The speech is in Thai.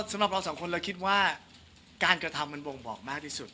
สำหรับเราสองคนเราคิดว่าการกระทำมันบ่งบอกมากที่สุด